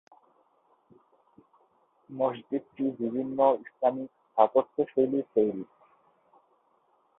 মসজিদটি বিভিন্ন ইসলামিক স্থাপত্যশৈলীর তৈরি।